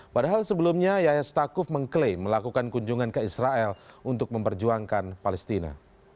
padahal sebelumnya yahya stakuf mengklaim melakukan kunjungan ke israel untuk memperjuangkan palestina